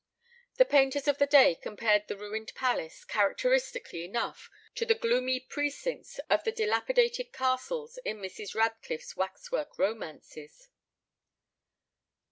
The painters of the day compared the ruined palace, characteristically enough, to the gloomy precincts of the dilapidated castles in Mrs. Radcliffe's wax work romances.